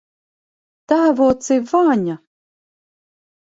Tēvoci Vaņa!